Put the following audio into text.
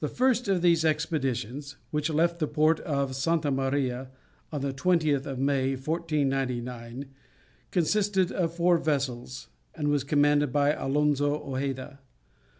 The first of these expeditions, which left the port of Santa Maria on the 20th of May, 1499, consisted of four vessels, and was commanded by Alonzo Hojeda.